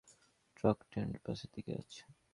ট্রাকটি আন্ডারপাসের দিকে যাচ্ছে।